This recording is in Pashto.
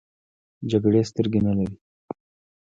جګړې سترګې نه لري .